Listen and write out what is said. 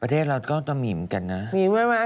ประเทศเราก็มีเหมือนกันนะ